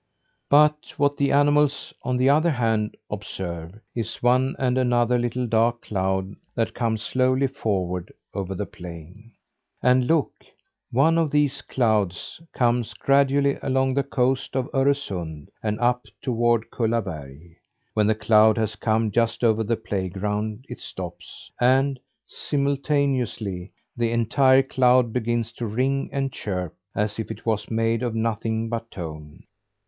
But what the animals, on the other hand, observe, is one and another little dark cloud that comes slowly forward over the plain. And look! one of these clouds comes gradually along the coast of Öresund, and up toward Kullaberg. When the cloud has come just over the playground it stops, and, simultaneously, the entire cloud begins to ring and chirp, as if it was made of nothing but tone.